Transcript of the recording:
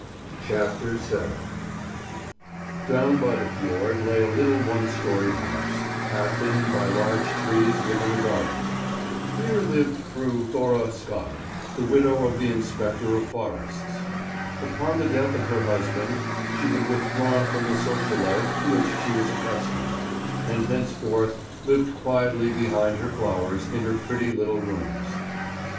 CHAPTER VII DOWN by the fjord lay a little one storeyed house, half hidden by large trees within a garden. Here lived Fru Thora Skard, the widow of the inspector of forests. Upon the death of her husband she had withdrawn from the social life to which she was accustomed, and henceforth lived quietly behind her flowers in her pretty little rooms.